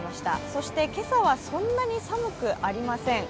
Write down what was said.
そして今朝はそんなに寒くありません。